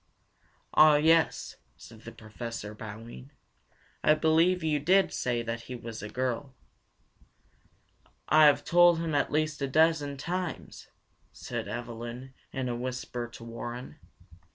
"Ah, yes," said the Professor, bowing. "I believe you did say that he is a girl." "I have told him at least a dozen times," said Evelyn in a whisper to Warren.